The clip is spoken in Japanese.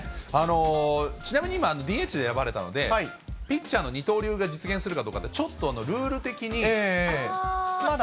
ちなみに今、ＤＨで選ばれたので、ピッチャーの二刀流が実現するかどうかって、ちょっとルール的にまだ。